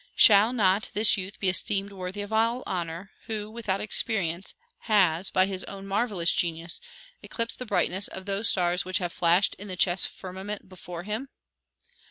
Shall not this youth be esteemed worthy of all honor, who, without experience, has, by his own marvellous genius, eclipsed the brightness of those stars which have flashed in the chess firmament before him?